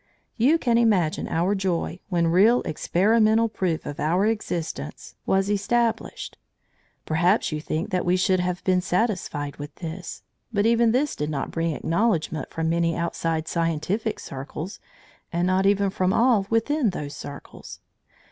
You can imagine our joy when real experimental proof of our existence was established. Perhaps you think that we should have been satisfied with this. But even this did not bring acknowledgment from many outside scientific circles, and not even from all within those circles.